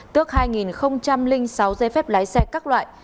tước hai sáu dây phép lái xe các loại